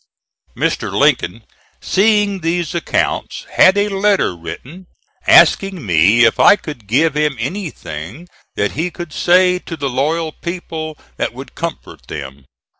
Mr. Lincoln seeing these accounts, had a letter written asking me if I could give him anything that he could say to the loyal people that would comfort them.